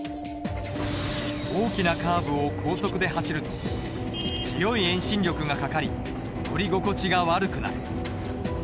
大きなカーブを高速で走ると強い遠心力がかかり乗り心地が悪くなる。